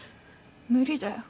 無理だよ。